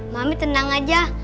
mami tenang aja